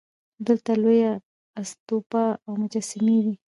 دلته لویه استوپا او مجسمې وې